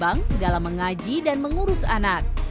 dan juga mengimbang dalam mengaji dan mengurus anak